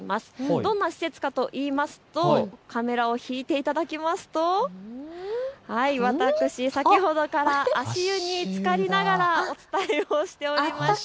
どんな施設かというとカメラを引いていただきますと、私、先ほどから足湯につかりながらお伝えをしておりました。